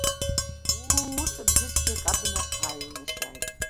Уу, уу, ҳәа, бжьы цәгьак абна ааилнашьааит.